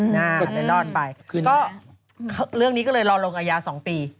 เลยรอดไปก็เรื่องนี้ก็เลยรอลงอาญา๒ปี